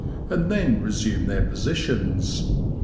and then resume tneir posi tions.